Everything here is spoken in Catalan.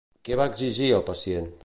Què va exigir el pacient?